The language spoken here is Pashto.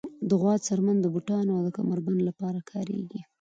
د غوا څرمن د بوټانو او کمر بند لپاره کارېږي.